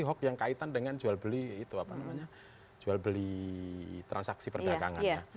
hock yang kaitan dengan jual beli transaksi perdagangannya